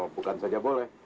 oh bukan saja boleh